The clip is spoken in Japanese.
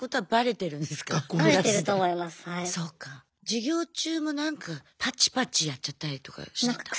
授業中もなんかパチパチやっちゃったりとかしてた？